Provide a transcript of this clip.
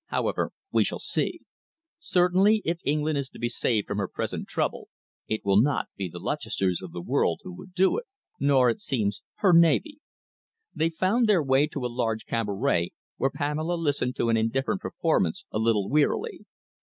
However, we shall see. Certainly, if England is to be saved from her present trouble, it will not be the Lutchesters of the world who will do it, nor, it seems, her Navy." They found their way to a large cabaret, where Pamela listened to an indifferent performance a little wearily.